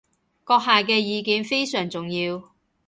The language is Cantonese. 閣下嘅意見非常重要